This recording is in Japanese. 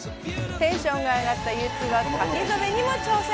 テンションが上がったＵ２は書き初めにも挑戦。